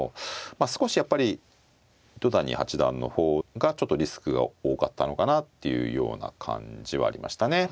少しやっぱり糸谷八段の方がちょっとリスクが多かったのかなっていうような感じはありましたねはい。